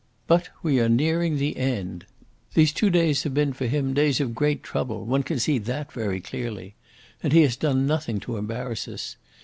"But we are nearing the end. These two days have been for him days of great trouble; one can see that very clearly. And he has done nothing to embarrass us.